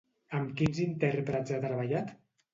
Amb quins intèrprets ha treballat?